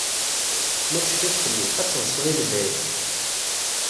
Ma tecfiḍ felli, ad d-teḍseḍ i lebɛid.